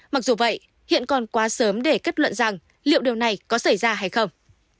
mặc dù vậy hiện còn quá sớm để kết luận rằng liệu điều này có xảy ra hay không